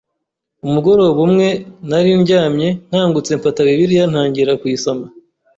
Umugoroba umwe nari ndyamye nkangutse mfata Bibiliya ntangira kuyisoma,